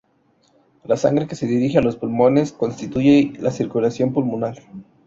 La sangre que se dirige a los pulmones constituye la circulación pulmonar.